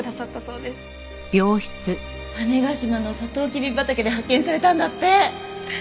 種子島のサトウキビ畑で発見されたんだって！